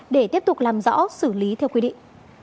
để tiếp tục làm rõ xử lý theo quy định